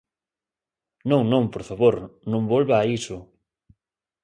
Non, non, por favor, non volva a iso.